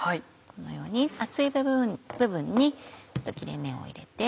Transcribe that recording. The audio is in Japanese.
このように厚い部分に切れ目を入れて。